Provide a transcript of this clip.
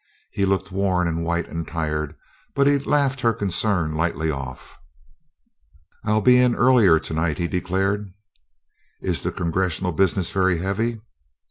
He looked worn and white and tired, but he laughed her concern lightly off. "I'll be in earlier tonight," he declared. "Is the Congressional business very heavy?"